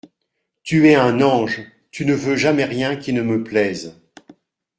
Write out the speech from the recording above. Tu es un ange, tu ne veux jamais rien qui ne me plaise !